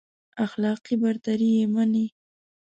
اخلاقي برتري يې مني.